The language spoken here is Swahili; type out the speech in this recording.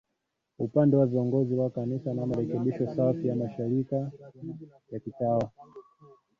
upande wa viongozi wa Kanisa na marekebisho safi ya mashirika ya kitawa